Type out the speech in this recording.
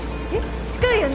近いよね？